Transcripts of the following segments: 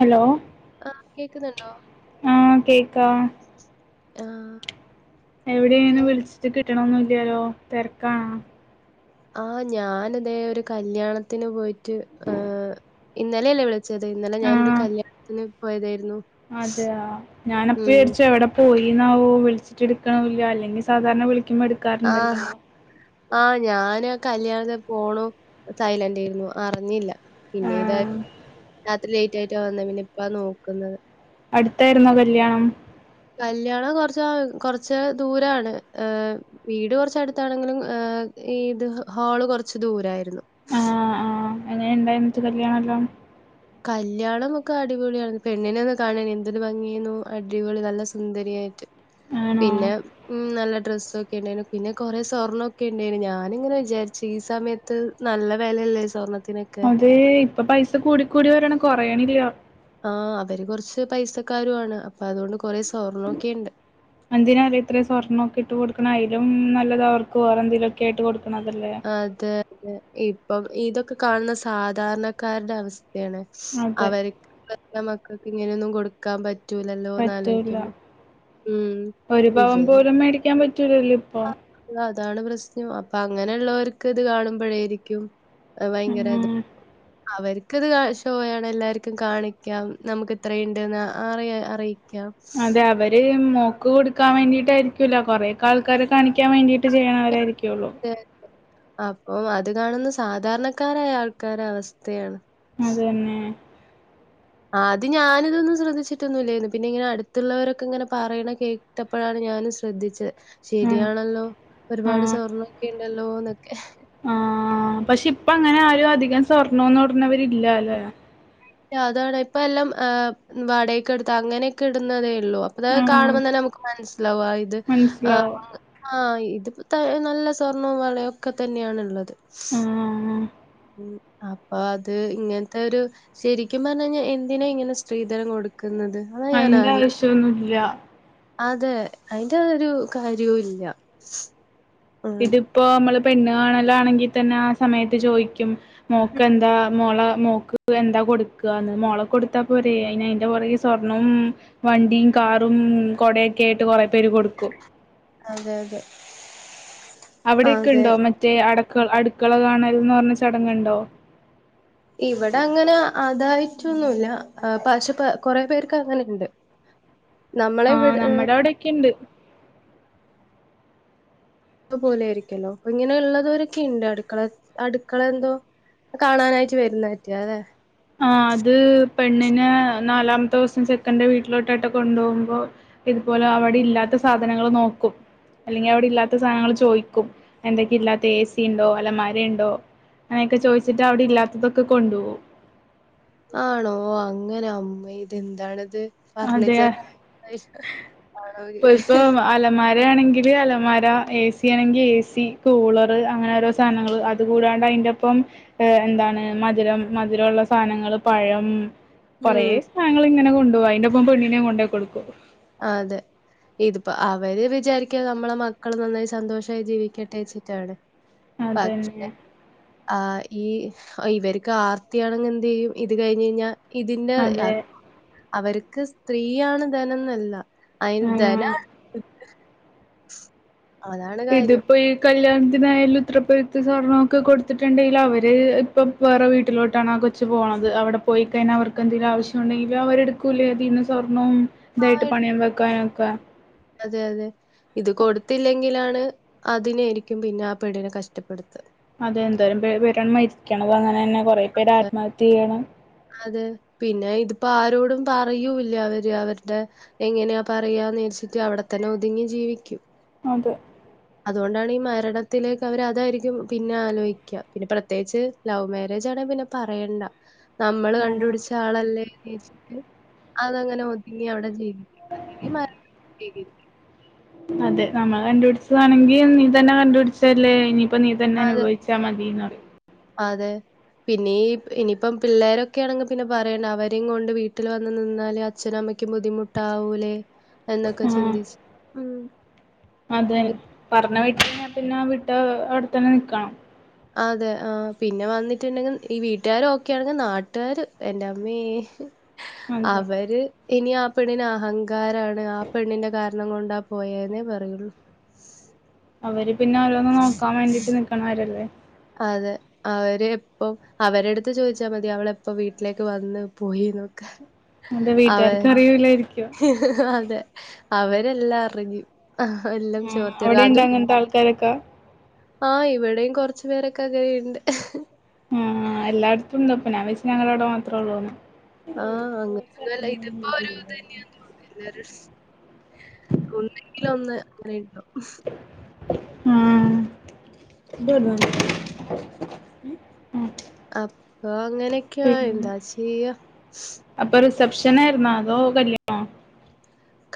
Hello ആ കേക്ക്ന്നുണ്ടോ ആ കേക്കാ ആഹ് എവിടേണ് വിളിച്ചിട്ട് കി കിട്ടണന്നുല്ലാലോ തിരക്കണോ ആ ഞാന് തെ ഒരു കല്ല്യാണത്തിന് പോയിട്ട് ഏ ഇന്നലെല്ലേ വിളി വിളിച്ചത് ഇന്നലെ ഞാനൊരു കല്ല്യാണത്തിന് പോയതായിരുന്നു അതെയ ഞാനപ്പ ഉം. വിചരിച്ച എവിടെ പോയി [unintelligible] വിളിച്ചിട്ടെടുക്കുണ് അല്ലെങ്കി സാധാരണ വിളി ആ ആ ഞാന കല്ല്യാണത്തെ ഫോണും സയ്ലൻഡ് ആയിരുന്നു അറിഞ്ഞില്ല പിന്നെ താ ആഹ് രാത്രി ലേറ്റ് ആയിട്ടാ വന്നത് പിന്നെ ഇപ്പാ നോക്ക്ന്നത് അടുത്തായിരുന്നോ കല്ല്യാണം കല്ല്യാണം കുറച്ച് കുറച്ച് ദൂരാണ് ഏ വീട് കുറച്ചടുത്താണെങ്കിലും ഏ ഈ ഇത് ഹോള് കൊറച്ച് ദൂരായിരുന്നു ആഹ് ആഹ് എങ്ങനെ ഇണ്ടായി എന്നിട്ട് കല്യാണല്ലോ കല്യാണം ഒക്കെ അടിപൊളിയാണ് പെണ്ണിനെ ഒന്ന് കാണനി എന്തൊരു ഭംഗിയേനൊ അടിപൊളി നല്ല സുന്ദരിയായിട്ട് ആണോ പിന്നെ മ്മ് നല്ല ഡ്രസ്സൊക്കെ ഉണ്ടായിനു പിന്നെ കുറേ സ്വർണ്ണോക്കെ ഉണ്ടായിന് ഞാനിങ്ങനെ വിചാരിച്ച് ഈ സമയത്ത് നല്ല വിലയല്ലേ സ്വർണ്ണ അതെ ഇപ്പൊ പൈസ കൂടി കൂടി വരാണ് കുറയണില്ല ആ അവര് കൊറച്ച് പൈസക്കരുവാണ് അപ്പൊ അതുകൊണ്ട് കൊറെ സ്വർണ്ണ ക്കെയ്ണ്ട് എന്തിനാലെ ഇത്ര സ്വർണ ഒക്കെ ഇട്ട് കൊടുക്കണെ അയ്ലും നല്ലത് അവർക്ക് വേറെ എന്തേലുംഒക്കെ ആയിട്ട് കൊടു ക്കണതല്ലേ അത് ഇപ്പം ഇതൊക്കെ കാണുന്ന സാധാരണക്കാര്ടെ അവസ് ക്കെയാണ് അതെ അവര് മക്കക്ക് ഇങ്ങനെയൊന്നും കൊടുക്കാൻ പ പറ്റൂല ഉം ഒരു പവൻ ഇവര് പോലും മേടിക്കാൻ പറ്റ പറ്റൂലല്ലോ ഇപ്പൊ അതാണ് പ്രശ്നം അപ്പ അങ്ങനെ ഉള്ളോർക്ക് ഇത് കാണുമ്പോയിരിക്കും ഭയങ്കര ത് ഉം അവർക്ക്ത് ഷോയാണ് എല്ലാർക്കും കാണിക്കാം നമുക്ക് ഇത്രയുണ്ടെന്ന് അ അറിയി അതെ [unintelligible] അവര് മോക്ക് കൊടുക്കാൻ വേണ്ടീട്ടായ്രിക്കൂല്ല കൊറെയൊക്കെ ആൾക്കാരെ കാണിക്കാൻ വേണ്ടി ചെയ്യ്ണ വരായ്രിക്കോള്ളൂ അപ്പം അത് കാണുന്ന സാധാരണക്കാരായ ആൾക്കാരെ അവസ്ഥയാണ് അതന്നെ ആ അത് ഞാന് തൊന്നും ശ്രദ്ധിച്ചിട്ടൊന്നുംല്ലാരുന്നു പിന്നെ ഇങ്ങനെ അടുത്ത്ള്ളവരൊക്കെ ഇങ്ങനെ പറയ്ണേ കേട്ടപ്പോഴാണ് ഞാനും ശ്രദ്ധിച്ചേ ഉം ശരിയാണല്ലോ ഒരുപാട് സ്വർണ്ണൊക്കെ ഉണ്ടല്ലോന്ന് ആ പക്ഷെ ഇപ്പം അങ്ങനെ ആരും അധികം സ്വർണോന്നും ഇട്ന്നവരില്ല അല്ലേ അതാണ് ഇപ്പം എല്ലം വാടയ്ക്ക് എടുത്ത് അങ്ങനെക്കെ ഇടുന്നതേ ലോ അപ്പ ആഹ് കാണുമ്പ തന്നെ നമുക്ക് മനസ് ലാവും ആ ഇത് മനസ്സിലാവും [unintelligible] ആ ഇത് നല്ല സ്വർണ്ണവും വളയുംഒക്കെ തന്നെയാണുള്ളത് ആഹ് അപ്പൊ അത് ഇങ്ങനത്തെ ഒരു ശരിക്കും പറഞ്ഞു കഴിഞ്ഞാൽ എന്തിനാ ഇങ്ങനെ സ്ത്രീധനം കൊടുക് അയ്ന്റെ ആവശ്യന്നു ല്ല അതെ അതിന്റെ ഒരു കാര്യവും ഇല്ല ഉം ഇതിപ്പോ നമ്മള് പെണ്ണ്കാണലാണെങ്കിൽ തന്നെ ആ സമയത്ത് ചോദിക്കും മോക്ക് എന്താ മോളെ മോക്ക് എന്താ കൊടുക്കുകാന്ന് മോളൊക്കെ കൊടുത്താ പോരെ അയിന്റെ പുറകെ സ്വർണ്ണവും വണ്ടിയും കാറും കൊടെയൊക്കെ ആയിട്ട് കൊറെ പേര് കൊടുക്കും അതെ അതെ അവിടെക്കെ അതെ ഉണ്ടോ മറ്റേ അടു അടുക്കള കാണൽന്ന് പറഞ്ഞ ചടങ്ങുണ്ടോ ഇവിടെ അങ്ങനെ അതായിട്ടൊന്നുല്ല പക്ഷേ കൊറെ പേർക്ക് അങ്ങനുണ്ട് ആ നമ്മുടെ അവിടെയൊക്കെയുണ്ട് പോലെ ആയിരിക്കല്ലോ അപ്പ ഇങ്ങനെള്ളവരൊക്കെയുണ്ട് അടുക്കള അടുക്കള എന്തോ കാണാനായിട്ട് വരുന്നതേറ്റെ അല്ലെ ആ അത് പെണ്ണിനെ നാലാമത്തെ ദിവസം ചെക്കന്റെ വീട്ടിലോട്ടായിട്ട് കൊണ്ടുപോകുമ്പോ ഇതുപോലെ അവിടെ ഇല്ലാത്ത സാധനങ്ങൾ നോക്കും അല്ലെങ്കിൽ അവിടെ ഇല്ലാത്ത സാധനങ്ങൾ ചോദിക്കും എന്തൊക്കെയാ ഇല്ലാത്തെ എ സി ഉണ്ടോ അലമാര ഉണ്ടോ അങ്ങനെയൊക്കെ ചോയി എന്നിട്ട് അവിടെ ഇല്ലാത്തതൊക്കെ കൊണ്ടോവും ആണോ അങ്ങനെ അമ്മേ ഇതെന്താണിത് ഫർണിച്ചർ [unintelligible] ഇപ്പോ ഇപ്പോ അലമാ മര ആണെങ്കില് അലമാര, എ സി ആണെങ്കിൽ എ സി, കൂളർ അങ്ങനെ ഓരോ സാധനങ്ങള് അതുകൂടാണ്ട് അതിന്റെ ഒപ്പം ഏ എന്താണ് മധുരം മധുരമ ഉള്ള സാധനങ്ങള്ൾ പഴം, കൊറേ ഉം സാധനങ്ങൾ ഇങ്ങനെ കൊ അ അതിന്റെ പോണ്ണിനെ കൊണ്ടേ കൊടുകു ആ അതെ ഇതിപ്പോ അവര് വിചാരിക്കാ നമ്മളെ മക്കള് നന്നായി സന്തോഷമായി ജീവിക്കട്ടെ വെച്ചിട്ടാണ് പക്ഷ അതന്നെ ആഹ് ഈ ഇവർക്ക് ആർത്തിയാണെ എന്ത്തു ചെയ്യും ഇത് കഴിഞ്ഞ് കഴിഞ്ഞാൽ ഇതിന്റെ അതെ അവർ ക്ക് സ്ത്രീയാണ് ധന എന്നല്ല അയിന്ന്താനെ ആഹ് [unintelligible] ഇതിപ്പോൊ ഈ കല് ഏതിനായാലും ഉത്തരപ്പെൊരുത്ത് സ്വർണ്ണംൊക്കെ കൊടുത്തിട്ടുണ്ടെങ്കിൽ അവര് ഇപ്പം വേറെ വീട്ടിലോട്ടാണ് ആ കൊച്ച് പോണത് അവിടെ പോയി കഴിഞ്ഞാ അവർക്ക് എന്തെങ്കിലും ആവശ്യമ ഉണ്ടെങ്കിൽ അവരെടുക്കൂലേ അതിൽന്ന് സ്വർണ്ണവും ആ ഇതായിട്ട് പണയം വെക്കാനൊക്കെ അതെ അതെ ഇത് കൊടുത്തില്ലെങ്കിലാണ് അതിനൊയിരിക്കും പിന്നെ ആ പെടിനെ കഷ്ടപ്പെടുത്തുന്നത് അതെ എന്തായാലും പരണ്മരിക്കണം അങ്ങനെ തന്നെ കൊറെ പേരെ ആത്മഹത്യ ചെയ്യണം അവരോടും പറയൂല്ല അവര് അവരുടെ എങ്ങനെയാ പറയന്ന്രിച്ചിട്ട് അവിടെത്തന്നെ ഒതുങ്ങി ജീവിക്കും അതെ അതുകൊണ്ടാണ് ഈ മരണത്തിലേക്ക് അവര് അതായിരിക്കും പിന്നെ ആലോചിക്കുക പിന്നെ പ്രത്യേകിച്ച് ലവ് മാരേജ ആണെങ്ക പിന്നെ പറയണ്ട നമ്മള് കണ്ടുപിടിച്ച ആളല്ലേ അതങ്ങനെ ഒതുങ്ങി അവിടെ ചെയ്ും അല്ലെങ്കിൽ മരണം ചെയ്തിനു അതെ നമ്മൾ കണ്ടുപിടിച്ചതാണെങ്കി നീ തന്നെ കണ്ടുപിടിച്ചല്ലേ ഇനി ഇപ്പം നീ തന്നെ അതെ അനുവിച്ചൽ മതിന്ന് പറയും അതെ പിന്നീ ഇനിയിപ്പം പിള്ളേരൊക്കെയ ആണെങ്കിൽ പിന്നെ പറയണ്ട അവരും കൊണ്ട് വീട്ടിൽ വന്ന് നിന്നാൽ അച്ഛന അമ്മയ്ക്കും ബുദ്ധിമുട്ടാവൂലേ എന്നൊക്കെ മ് ചിന്തിച്ച് ഉം. അദ്ദേ പി പറഞ്ഞ വീട്ടിൽ പിന്നെ വിട്ട അവിടെ തന്നെ നിക്കണം അതെ ആഹ പിന്നെ വന്നിട്ട്ുണ്ടെങ്കിൽ ഈ വീട്ടുകാരും ഒക്കെയാണെങ്കിൽ നാട്ടുകാര് എന്റെ അമ്മീ അതെ അവര് ഇനിആ പെണ്ണിന് ആഹങ്ക ാരാണ് ആ പെണ്ണിൻന്റെ ക പ്രശ്നം കൊണ്ടാ പോയെന്നേ പറയുള്ളൂ അവര് പിന്നെ അവരോന്നന്ന് നോക്കാൻ വേണ്ടിട്ട് നിക്കക്കണവരല്ലേ അതെ അവര് എപ്പ അവരെടുത്ത് ചോദിച്ചാൽ മതി അവള എപ്പോ വീട്ടിലേക്ക് വന്ന് പോയിന്നൊക്കെ എന്താ വീട്ടുകാർക്ക് അവ അറിയൂല്ലായിരിക്കുവൊ അതെ അവരെല്ലാം അറിഞ്ഞു എല്ലാം ആ അവിടെയുണ്ടോ അങ്ങനത്തെ ആൾക്കാരൊക്കെ ആ ഇവിടെയും കൊ ച്ചു പേരൊക്കെ അങ്ങനെണ്ട് ആ എല്ലായിടത്തുണ്ട് അപ്പൊ ഞാൻ വിചാരിച് ഞങ്ങള അവിടെ മാത്രേ ഉള്ളൂന്ന്. ആ അങ്ങനങ്ങല്ല ഇതിപ്പോ ഇത് തന്നെയാ [unintelligible] ഒന്നെങ്കില ഒന്ന് അങ്ങനണ്ടോ ആ അപ്പൊ അങ്ങനെയൊക്കെയാ പിന്നെ എന്താ ചെയ്യ റിസപ്ഷന ആയിരുന്ന അതോ കല്യാണോ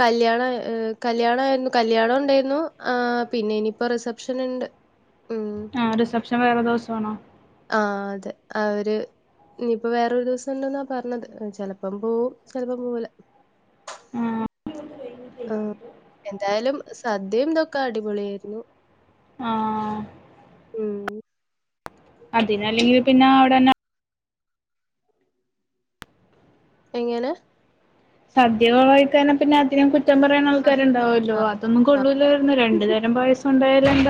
കല്യാണ കല്യാണയിരുന്നു കല്യാണം ഉണ്ടായിരുന്നു ആ പിന്നെ ഇനിയിപ്പോ റിസപ്ഷൻ ഉണ്ട്. ആ റിസെപ്ഷൻ വേറെ ദിവസമാണോ. ആ അതെ അവര് ഇനിപ്പോ വേറൊരു ദിവസം ഉണ്ടന്നാ പറഞ്ഞത് ചെലപ്പം പോവും ചിലപ്പം പോവുല മ്മ് ആ എന്തായാലും സദ്യയുംന്തൊക്കാ അടി പൊളിയാരുന്നു ആ അതിന് അല്ലെങ്കിൽ പിന്നെ അവിടെന്നെ എങ്ങനെ സദ്യ കൊളവായിക്കാന പിന്നെ അതിനും കു റ്റം പറയൻ ആൾക്കാരുണ്ടാവുല്ലോ ആ. അതൊന്നും കൊള്ളൂല്ലാരുന്നു രണ്ടു തരം പായസുണ്ടായ ലെന്ത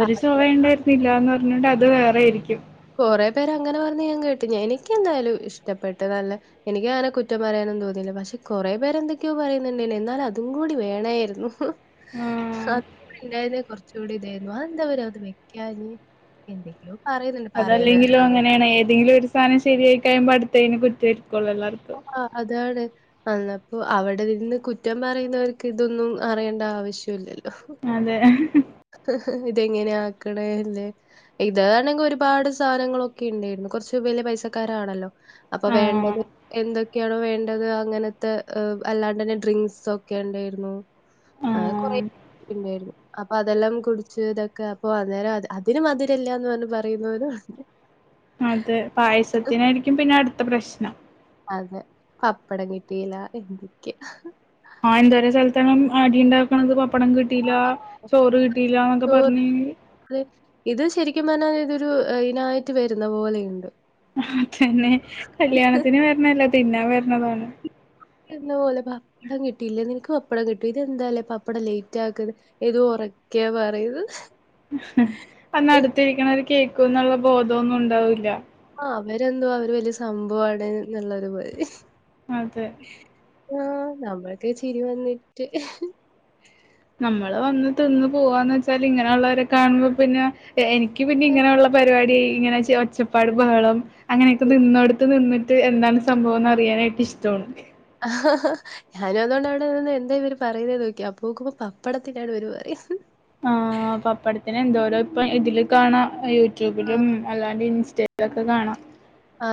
ഒരു സോഭ അതെ. ഉണ്ടായിരുന്നില്ലന്ന് പിന്നോണ്ട് അത് വേറെരിക്കും കുറെ പേര് അങ്ങനെ പറഞ്ഞ ഞാൻ കേട്ടി എനിക് എന്തായാലും ഇഷ്ടപ്പെട്ട് നല്ല എനിക്ക് അങ്ങനെ കുറ്റം പറയാനും തോന്നിയില്ല പക്ഷെ കൊറെേ പേരെ എന്തൊക്കെയോ പറയുന്നുണ്ടനി എന്നാലും അതും കൂടി വേണായിരുന്നു ആഹ് [unintelligible] അണ്ടായിരുന്ന കുറച്ചുകൂടി ഇതായിരുന്നു അന്താ വര അത് വെക്കാഞ്ഞെ എന്തൊക്കെയോ പറ അതല്ലെങ്കിലോ അങ്ങനെയാണ് ഏതെങ്കിലും ഒരു സാധനം ശരിയായി കൈയുമ്പോ അടുത്തെന്ന് കുറ്റരിക്കോളൂ എല്ലരും ആ് അതാണ് അന്നപ്പോ അവിടെ നിന്ന് കുറ്റം പറയുന്നവർക്ക് ഇതൊന്നും അറിയേണ്ട ആവശ്യം ഇല്ലല്ലോ അതെ ഇതെങ്ങനെയ ആക്കണല്ലേ ഇതണെങ്കി ഒരുപാട് സാധനങ്ങളൊക്കെ ഇണ്ടേരുന്നു കൊറച്ച് ബലിയ പൈസക്കാരാണല്ലോ അപ്പൊ ആഹ് വേണ്ടത് എന്തൊക്കെയാണ് വേണ്ടത് അങ്ങനത്തെ ഏഹ് അല്ലാണ്ട് തന്നെ ഡ്രിങ്ക്സൊക്കെ ഇണ്ടായിരുന്നു ആ കൊറെ ആഹ് ഇണ്ടായിരുന്നു അപ്പൊ അതെല്ലാം കുടിച്ച് ഇതൊക്കെ അപ്പൊ അന്നേരം അത് അതിന് മധുരില്ല്യാന്ന് പറഞ്ഞ് പറയുന്നോരും ഒണ്ട് അതെ പായസത്തിനായിരിക്കും പിന്നെ അടു ത്ത പ്രശ്നം അതെ പപ്പടം കിട്ടീലാ എന്തൊക്കെയാ ആ എന്തോരം സല്ത്താണ് ഉം അടി ഇണ്ടാക്കണത് പ പ്പടം ആ. കിട്ടീല്ല ചോറ് കിട്ടീല്ലാക്കെ ചോറ് പറഞ്ഞ് ഇത് ശരിക്കും പറഞ്ഞാല് ഇതൊരു അയിനായിട്ട് വരുന്ന പോലെയ്ണ്ട് അതെന്നെ കല്യാണത്തിന് വര്ണല്ലേ തിന്നാൻ വര്ണതാണ് എന്നപോലെ പപ്പടം കിട്ടിയില്ല നിനക്ക് പപ്പടം കിട്ടി ഇതെന്താല്ലേ പപ്പടം ലേറ്റ് ആക്കത് ഇത് ഒറക്കെ പറയും അന്ന് അടുത്തിരിക്കണവര് കേ ക്കുന്നുള്ള ബോധോന്നുണ്ടാവില്ല ആ അവരെന്തോ അവര് വല്യ സംഭവാണ്ന്ന്ള്ളൊരു [unintelligible] അതെ ആ നമ്മൾക്കെ ചിരി വന്നിട്ട് മ്മള് വന്ന് തിന്ന് പോവാന്നച്ചാല് ഇങ്ങനെ ഒള്ളോരെ കാണുമ്പോ പിന്നെ എ എനിക്ക് പിന്നെ ഇങ്ങനെയുള്ള പരിപാടി ഇങ്ങനെച്ച് ഒച്ചപ്പാടും ബഹളം അങ്ങനെയൊക്കെ നിന്നോട്ത്ത് നിന്ന് ത് എന്താണ് സംഭവംന്ന് അറിയാനായിട്ട് ഇഷ്ടോണ് ആ ഞാനും അതോണ്ട അവിടെ നിന്ന് എന്താ ഇവര് പറയണേന്ന് നോക്കി അപ്പോ നോക്കുമ്പോ പപ്പടത്തിന്റാണ് ഇവര് പറയുന്നെ ആ പപ്പടത്തിന് എന്തോരോ ഇപ്പൊ ഇതില് കാണാം യൂ ആ, ട്യൂബിലും അല്ലാണ്ട് ഇൻ ചെല്തൊക്കെ കാണാ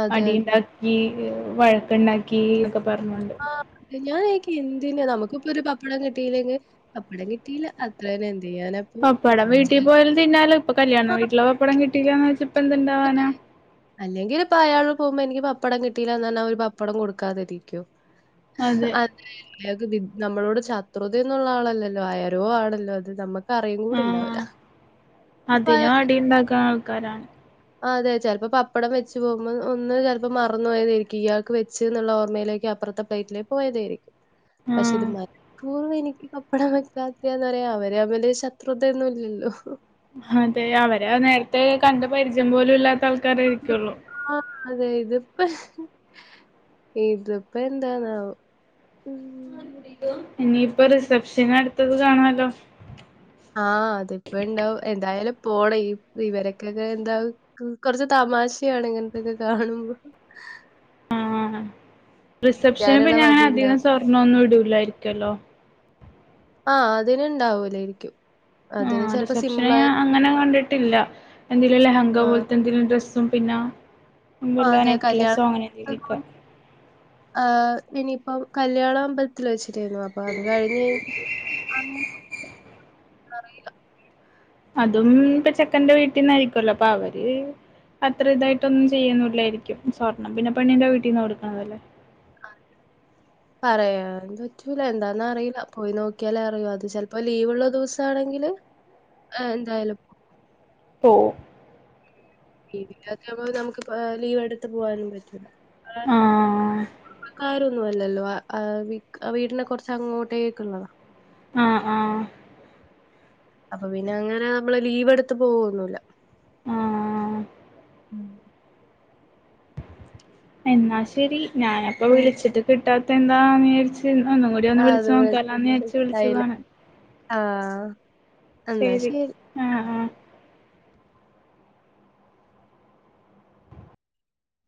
അതെ അടി ഇണ്ടാക്കി വഴക്ക്ണ്ടാക്കി ഒക്ക പറ്ഞ്ഞോണ്ട് അതെ ഞാൻ എനിക്ക് എന്തിനാ നമുക്ക്പ്പൊരു പപ്പടം കിട്ടിയില്ലെങ്കിൽ പപ്പടം കിട്ടിയില്ല അത്രെത പപ്പടം വീട്ടീ പോയാലും തിന്നാലോ ഇപ്പ കല്യാണം വീട്ടില പപ്പടം കിട്ടീലാന്ന് വെച്ച്പ്പന്ത്ണ്ടാ അല്ലെങ്കില് പ്പ അയാള് പോവുമ്പോ എനിക്ക് പപ്പടം കിട്ടിയില്ലാന്നറ്ഞ്ഞാ അവര് പപ്പടം കൊടുക്കാതിരിക്കോ അതെ അ അയാക്ക് വി നമ്മളോട് ശത്രുതയൊന്നുള്ള ആളല്ലല്ലോ ആരോ ആണല്ലോ അത് നമ്മ കറിയു കൂടി ആഹ് ഇണ്ടാവൂല്ലാ അതിനും അടി ഇണ്ടാക്കാൻ ആൾക്കാരാ അതെ ചെലപ്പം പപ്പടം വെച്ച് പോകുമ്പോ ഒന്ന് ചെലപ്പോ മറന്നു പോയതായിരിക്കും ഇയാൾക്ക് വെച്ച്ന്ന്ള്ള ഓർമ്മയിലേക്ക് അപ്പറ്ത്തെ പ്ലേറ്റിലേക്ക് പോയതായിരി പക്ഷെ ഇത് ആഹ് മനഃപൂർവ്വെനിക്ക് ഈ പപ്പടം വെയ്ക്കാത്തന്നാറിയാവോ വര് അവര് ശത്രുതയൊന്നുല്ലല്ലോ അതെ അവരേ നേരത്തെ കണ്ട് പരിചയം പോലും ഇല്ലാത്ത ആൾ ക്കാരെ ഇരിക്കൊള്ളൂ ആ അതെ ഇതിപ്പെ ഇതിപ്പ എന്താന്നാവോ ഉം. ഇനിയിപ്പൊ റിസപ്ഷന് അടുത്തത് കാണാല്ലോ ആഹ് അതിപ്പോണ്ടാവും എന്തായാലും പോണം ഈ ഇവരക്കൊക്കെ എന്താ കുറച്ച് തമാശയാണ് ഇങ്ങനത്തക്കെ കാണുമ്പോ റിസപ്ഷനിപ്പ ക്കാനുള്ള ഞാനധികം വകയുണ്ടാവും. സ്വർണൊന്നും ഇടൂലായിരിക്കല്ലോ ആ അതിനുണ്ടാവൂലായിരിക്കും ആ അതിന് ചെലപ്പോ റിസപ്ഷന് സിമ്പിളായ ഞാൻ അങ്ങനെ കണ്ടിട്ടില്ല എന്തേലിലും ലെഹങ്ക ആഹ് പോലത്തെ എന്തെങ്കിലും ഡ്രസ് സും പിന്ന അതെ കല്യാണ അതൊണ്ട് ആ ഇനി ഇപ്പ കല്യാണ അമ്പത്തിൽ വെച്ച് [unintelligible] അപ്പൊ അത് കഴിഞ്ഞ് അറീല അതും ഇപ്പ ചെക്കന്റെ വീട്ടിന്നായിരിക്കല്ലോ അപ്പൊ അവര് അത്ര ഇതായിട്ടൊന്നും ചെയ്യൊന്നില്ലായിരിക്കും സ്വർണം പിന്നെ പെണ്ണിന്റെ വീട്ടിന്ന് കൊടുക്കണതല്ലേ. പറയാൻ പറ്റൂല എന്താന്നറീല പോയി നോക്കിയാലേ അറിയൂ അത് ചിലപ്പോ ലീവ്ള്ള ദിവസാണെങ്കില് ഏ എന്തായാലും പോവും ഇവിടൊക്കെ നമുക്കിപ്പോ ലീവ് എടുത്ത് പോവാനും പറ്റൂല ആ ആഹ് കാ രു ഒന്നല്ലല്ലോ ആ ആ വിക് വീടിന് കൊറച്ചെങ്ങോട്ടേക്ള്ളതാ ആ ആ അപ്പൊ പിന്നെ അങ്ങനെ നമ്മള് ലീവ് എടുത്ത് പോവൊന്നുല്ല ആ ഉം എന്നാ ശരി ഞാനപ്പ ആഹ് വിളിച്ചിട്ട് കിട്ടാത് അതെന്താ മേടിച് ഒന്നും കൂടി ഒന്ന് അത് വിളിച്ച് നോക്കാലോന്ന് ഏച്ച് വിളിച്ചതാണ്. ആ ശരി ആ ആ